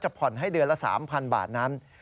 ผ่อนให้เดือนละ๓๐๐บาทนั้น